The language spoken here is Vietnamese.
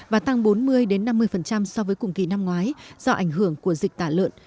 và tăng bốn mươi năm mươi so với cùng kỳ năm ngoái do ảnh hưởng của dịch tả lợn